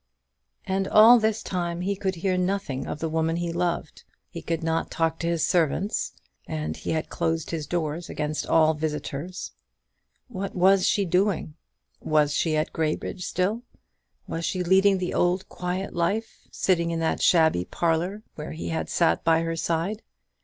And all this time he could hear nothing of the woman he loved. He could not talk to his servants, and he had closed his doors against all visitors. What was she doing? Was she at Graybridge still? Was she leading the old quiet life, sitting in that shabby parlour, where he had sat by her side?